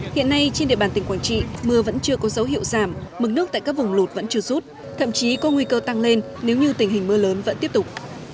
hiện nay trên địa bàn tỉnh quảng trị mưa vẫn chưa có dấu hiệu giảm mừng nước tại các vùng lụt vẫn chưa rút thậm chí có nguy cơ tăng lên nếu như tình hình mưa lớn vẫn tiếp tục